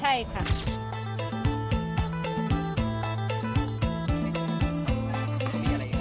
ใช่ค่ะ